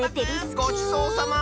ごちそうさま！